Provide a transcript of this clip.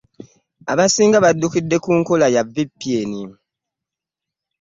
Abasinga baali badduukidde ku nkola ya VPN